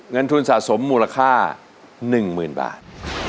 เงินทูลสะสมมูลค่า๑หมื่นบาท